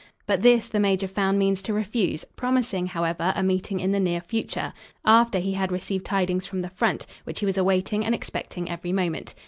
But this the major found means to refuse, promising, however a meeting in the near future, after he had received tidings from the front, which he was awaiting and expecting every moment.